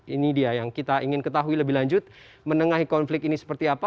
ini dia yang kita ingin ketahui lebih lanjut menengahi konflik ini seperti apa